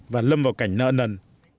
và lâm vào cảnh nỡ nần